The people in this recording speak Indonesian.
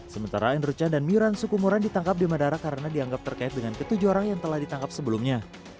sementara andrew can dan miran sukumoran ditangkap di madara karena dianggap terkait dengan ketujuh orang yang telah ditangkap sebelumnya